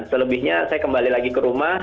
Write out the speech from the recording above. selebihnya saya kembali lagi ke rumah